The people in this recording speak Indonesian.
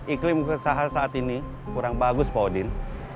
iklim usaha saat ini kurang bagus pak odin